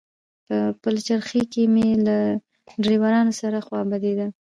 په پلچرخي کې مې له ډریورانو سره خوا بدېده.